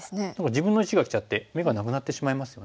自分の石がきちゃって眼がなくなってしまいますよね。